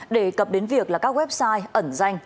để cập đến việc là các website ẩn danh